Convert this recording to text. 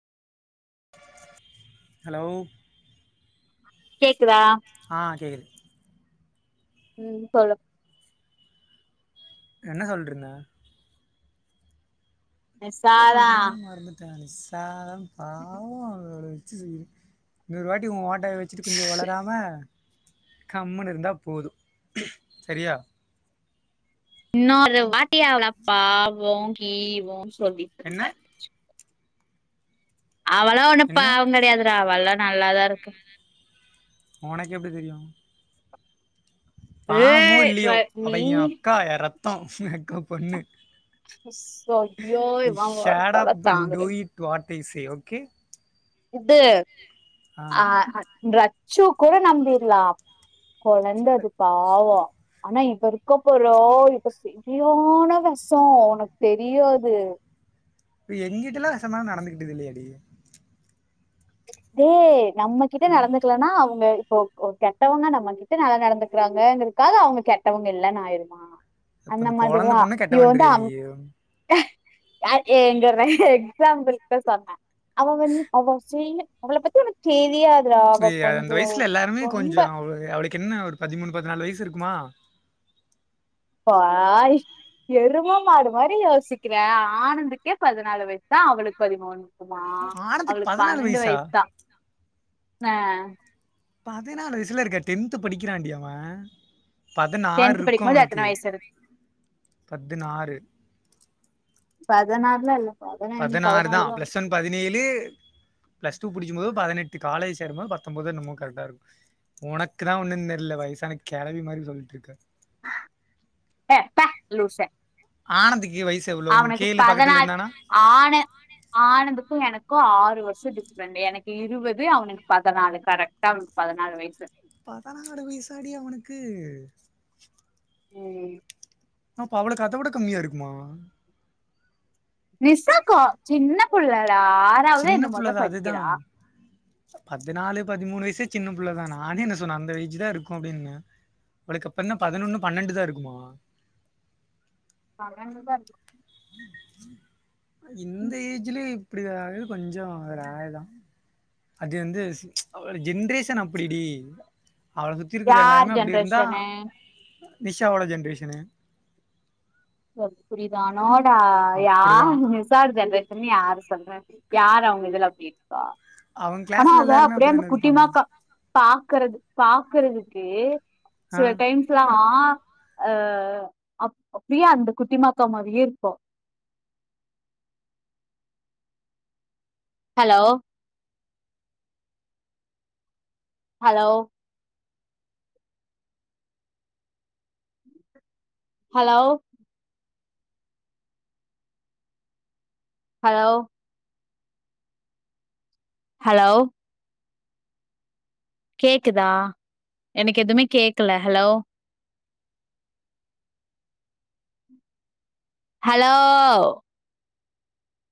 Hello கேக் ஆ கேக்குது ம் சொல்லு என்ன சொல்ட்டுருந்த தா சாரா சொல்றேன் இல்ல மறந்துட்டேன் அப்டி சாதம் ஆமா அது ஏலே ம் இன்னொரு வாட்டி ஒன் ஓட் ட வாய வச்சிட்டு கொஞ்சம் ஒளராம கம்மன்னு இருந்தா போதும் சரியா இன்னும் அது மாட்டியே ஆவலப்பாவும் ஈவும் சொல்லிட்டு என்ன இருந்தன் அவளா ஒண்ணும் என்ன பாவம் கெடையாதுடா அவள்லாம் நல்லாதா இருக்கா ஒனக்கு எப்டி தெரியும் பாவமோ ஏய் ர இல்லையோ அவ நீ என் அக்கா என் இரத் தம் அக்கா பொண்ணு சய்யோ இவன் வேற தொல்ல தாங்கல டி செய் ஓகே இது ஆ அ ரச்சு கூட நம்பிறலாம் கொழந்த அது பாவம் ஆனா அவ இருக்கா பாரா இப்ப செரியான வெஷம் ஒனக்கு தெரியாது இப்ப எங்கிட்டலாம் வெஷமாரி நடந்துகிட்டது இல்லயேடி டே நம்மகிட்ட நடந்துக்கலனா அவுங்க ஓ ஓ கெட்டவங்க நம்மகிட்ட நல்லா நடந்துக்கிறாங்கங்கிறதுக்காக அவுங்க கெட்டவுங்க இல்லன்னு ஆயிருமா அப்ப அந்த கொழந்த மாதிரிதா பொண்ணு இவ வந்து கெட்டவன்றியா அந் நீயி யார் ஏ எங்க ர எக்ஸாபுள்க் தா சொன்ன அவ வந் அவ செய்ல அவள பத்தி உனக்கு தெரியாது யேய அந்த வயசுல எல்லாருமே கொஞ்சோ அவ அவளுக்கு என்ன ஒரு பதிமூணு பதினாலு வயசு இருக் ம்மா பா எரும மாடு மாரி யோசிக்கிற ஆனந்துக்கே பதினாலு வயசுதா அவளுக்கு பதிமூணு மா ஆனதுக்கு அவளுக்கு பனெண்டு வயசா? வயசுதா ஆ பதினாலு வயசுல இருக்க டென்த் படிக்கிறாண்டி அவ பதினாறு டென்த் இருக்கு படிக்கும் போது எத்தனை அவனுக்கு வயசு இருக்கு பதினாறு பதனாறுல்லா இல்ல பதினஞ்சு பதினாறுதா பதினாலு தான் பிளஸ் ஒன் பதினேழு பிளஸ் டூ புடிக்கு போது பதினெட்டு காலேஜ் சேரும்போ பத்தொம்போதோ என்னமோ கரெக்டா இருக்கு உனக்குதா ஒன்னு தெரில வயசான கெளவி மாரி சொல்லிட்டு இருக்க ஏ பே லுசே ஆனந்க் கே வயசு எவ்ளோ கேளு பக்கத்துல இருந்தானா. ஆனந்துக்கு எனக்கு ஆறு வருஷோ டிஃரெண்ட் எனக்கு இருபது அவனுக்கு பதினாலு கரெக்டா அவனுக்கு பதினாலு வயசு பதனாலு வயசாடி அவனுக்கு ம் அப்ப அவளக்கு அத விட கம்மியா இருக்குமா நிசாக்கா சின்ன புள்ள தா ஆறாதா சின்ன புள்ள என்னமோதா தான் படிக்கிறா அதுதான். பதினாலு பதிமூணு வயசு சின்ன புள்ளதா நானே என்ன சொன்ன அந்த ஏஜ் தா இருக்கு அப்பிடின்னு அவளுக்கு கப்புனா பதினொன்னு பண்னெண்டுதா இருக்குமா. பன்னென்டுதாருக்கு. ம். இந்த ஏஜ்லே இப்பிடியா. து கொஞ்சோ ஒரு ஆழதா அது வந்து ஒரு ஜென்ரேஷன் அப்பிடி டி. அவள சுத்தி இருக்குற யார் எல்லாருமே அப்பிடி இருந்தா. ஜென்ரேஷனு நிஷாவோட ஜென்ரேஷனு. ஒ புரியுதானோ. ட்டா அப்டிதா யாரு நிஷாடு ஜென்ரே. தின்னி யாரு சொல்றே யாரு அவங்க இதுல அப்பிடி. ப அவங்க கனா கிளாஸ்ல அவ எல்லாருமே அப்பிடியே அந்த அப்டிதான இருப்பாங்க குட்டிமாக்கா பா. க்கறது பாக்குறதுக்கு. ஆ சில டைம்ஸ்லா. அ அப்ப ப்ரியா அந்த குட்டிமாக்கா மாரியே இருப்பா hello hello hello hello hello கேக்குதா எனக்கு எதுமே கேக்கல ஹலோ ஹலோ